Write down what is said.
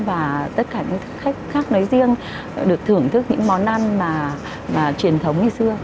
và tất cả những thức khách khác nói riêng được thưởng thức những món ăn mà truyền thống ngày xưa